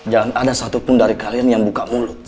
jangan ada satupun dari kalian yang buka mulut